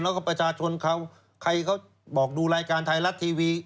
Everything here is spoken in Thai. แล้วก็ประชาชนเขาใครเขาบอกดูรายการไทยรัฐทีวี